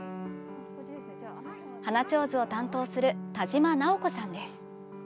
花手水を担当する田島直子さんです。